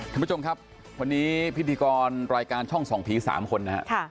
ท่านผู้ชมครับวันนี้พิธีกรรายการช่องส่องผี๓คนนะครับ